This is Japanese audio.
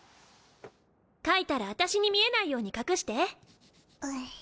書いたら私に見えないように隠して。